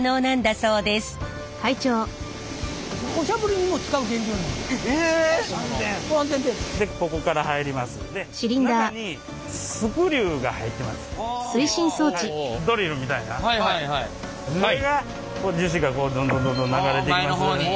それが樹脂がこうどんどんどんどん流れていきます。